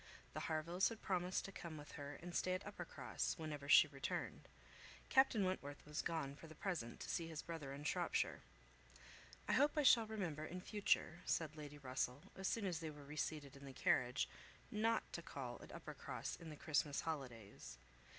The Harvilles had promised to come with her and stay at Uppercross, whenever she returned. Captain Wentworth was gone, for the present, to see his brother in Shropshire. "I hope I shall remember, in future," said Lady Russell, as soon as they were reseated in the carriage, "not to call at Uppercross in the Christmas holidays."